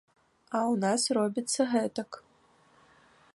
А ў нас робіцца гэтак.